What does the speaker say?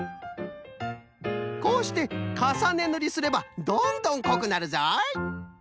こうしてかさねぬりすればどんどんこくなるぞい。